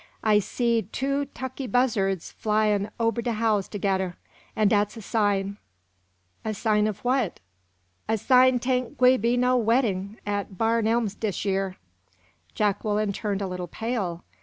"I seed two tuckey buzzards flyin' ober de house tog'er'r and dat's a sign " "A sign of what?" "A sign 'tain' gwi' be no weddin' at Barn Elms dis year." Jacqueline turned a little pale.